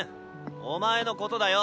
お前のことだよ。